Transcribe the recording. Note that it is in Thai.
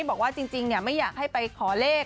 บอกว่าจริงไม่อยากให้ไปขอเลข